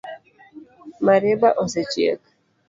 Marieba osechiek?